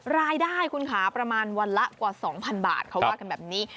รายได้คุณค่ะประมาณวันละกว่า๒๐๐๐บาทเขาว่ากันแบบนี้